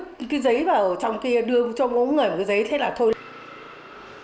cái giấy vào trong kia đưa cho mỗi người một cái giấy thế là thôi